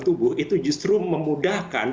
tubuh itu justru memudahkan